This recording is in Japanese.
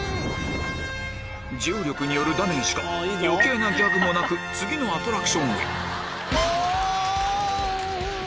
重力によるダメージか余計なギャグもなく次のアトラクションへお！